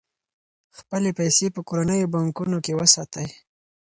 خپلې پيسې په کورنیو بانکونو کې وساتئ.